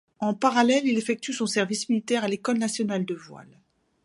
En parrallèle, Il effectue son service militaire à l’École nationale de voile.